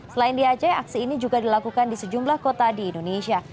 selain di aceh aksi ini juga dilakukan di sejumlah kota di indonesia